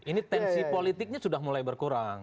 ini tensi politiknya sudah mulai berkurang